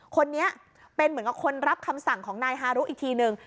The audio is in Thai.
คนนี้เป็นเหมือนกับคนรับคำสั่งของนายฮารุอีกทีนึง